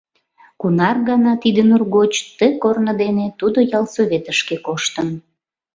Кунар гана тиде нур гоч, ты корно дене тудо ялсоветышке коштын.